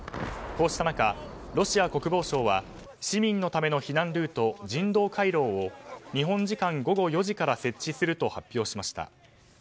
こうした中、ロシア国防省は市民のための避難ルート人道回廊を日本時間午後４時から設置すると発表しました。